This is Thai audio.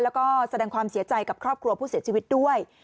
แล้วก็แสดงความเสียใจกับครอบครัวผู้เสียชีวิตด้วย